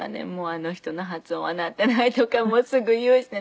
「あの人の発音はなってない」とかすぐ言うしで。